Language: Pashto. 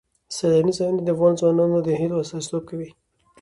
سیلانی ځایونه د افغان ځوانانو د هیلو استازیتوب کوي.